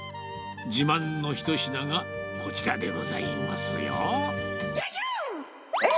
自慢の一品がこちらでございますえっ？